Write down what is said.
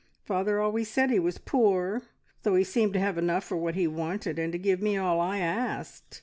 Father always said he was poor, though he seemed to have enough for what he wanted, and to give me all I asked.